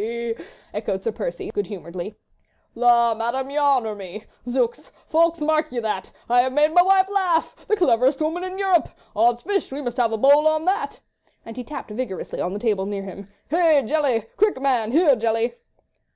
he! he! he!" echoed Sir Percy, good humouredly. "La, Madame, you honour me! Zooks! Ffoulkes, mark ye that! I have made my wife laugh!—The cleverest woman in Europe! ... Odd's fish, we must have a bowl on that!" and he tapped vigorously on the table near him. "Hey! Jelly! Quick, man! Here, Jelly!"